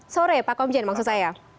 sore pak komjen maksud saya